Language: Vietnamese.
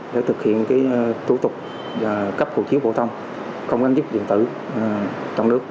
để thực hiện thủ tục cấp hồ chiếu bộ thông công an dịch viện tử trong nước